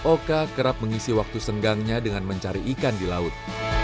oka kerap mengisi waktu senggangnya dengan mencari ikan di laut